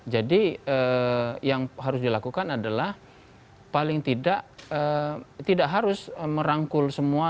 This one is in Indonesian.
jadi yang harus dilakukan adalah paling tidak harus merangkul semua